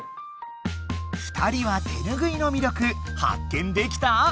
２人は手ぬぐいの魅力ハッケンできた？